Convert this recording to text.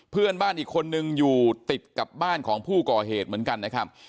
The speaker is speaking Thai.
เพื่อนบ้านอีกคนนึงอยู่ติดกับบ้านของผู้ก่อเหตุเหมือนกันนะครับ